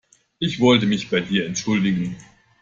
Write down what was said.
Ich wollte mich bei dir entschuldigen.